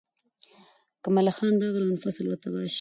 که ملخان راغلل، نو فصل به تباه شي.